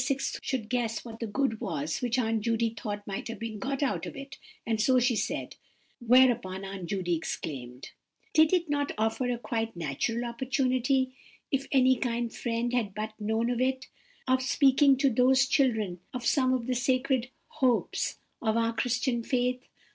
6 should guess what the good was which Aunt Judy thought might have been got out of it; and so she said; whereupon Aunt Judy explained:— "Did it not offer a quite natural opportunity,—if any kind friend had but known of it,—of speaking to those children of some of the sacred hopes of our Christian faith?